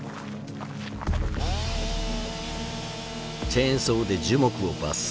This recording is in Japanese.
チェーンソーで樹木を伐採。